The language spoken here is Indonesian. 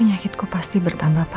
penyakitku pasti bertamba parah